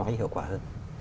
cách hiệu quả hơn